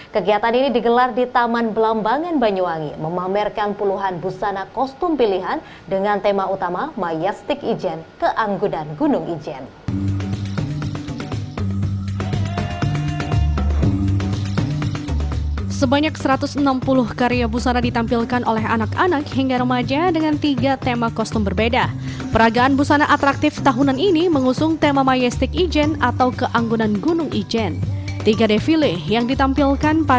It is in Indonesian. kegiatan ini digelar di taman belambangan banyuwangi memamerkan puluhan busana kostum pilihan dengan tema utama mayastik ijen keanggudan gunung ijen